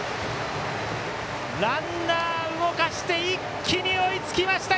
ランナー動かして一気に追いつきました。